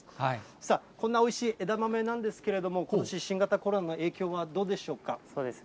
さあ、こんなおいしい枝豆なんですけれども、ことし、新型コロナの影響はどうでしょうか。